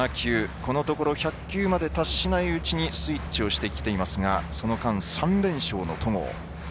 このところ１００球まで達しないうちにスイッチしていますがその間、３連勝の戸郷